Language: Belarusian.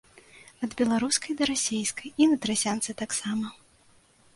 Ад беларускай да расейскай, і на трасянцы таксама.